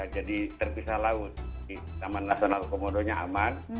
jadi terpisah laut taman nasional komodonya aman